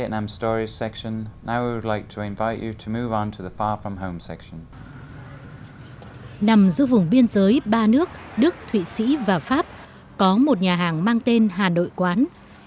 nằm giữa vùng biên giới ba nước đức thụy sĩ và pháp có một nhà hàng mang tên hà nội quán